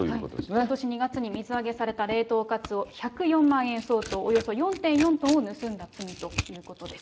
ことし２月に水揚げされた冷凍カツオ１０４万円相当、およそ４．４トンを盗んだ罪ということです。